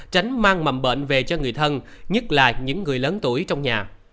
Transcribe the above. tránh mang mầm bệnh về cho người thân nhất là những người lớn tuổi trong nhà